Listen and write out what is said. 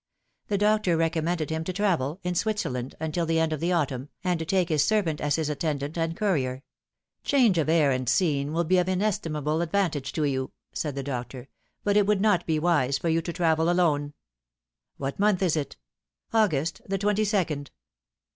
The doctor recommended him to travel ; in Switzerland until the end of the autumn, and to take his servant as his attendant and courier. " Change of air and scene will be of inestimable advan tage to you," said the doctor; "but it would not be wise for you to travel alone." " What month is it ?"" August the twenty second."